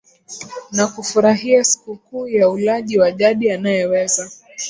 na kufurahia sikukuu ya ulaji wa jadi anayeweza